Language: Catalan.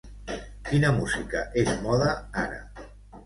Quina música és moda, ara?